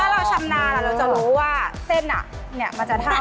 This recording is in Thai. พอชำนาแล้วเราจะรู้ว่าเส้นมันจะเท่าเท่ากัน